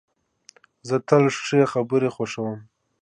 زه تل ښې خبري خوښوم.